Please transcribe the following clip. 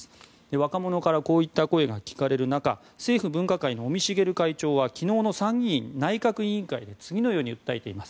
若者からこういった声が聞かれる中政府分科会の尾身茂会長は昨日の参議院内閣委員会で次のように訴えています。